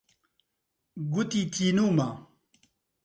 گوتی تینوومە.